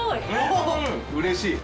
うれしい！